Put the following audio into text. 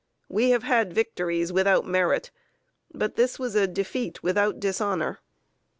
We have had victories without merit, but this was a defeat without dishonor.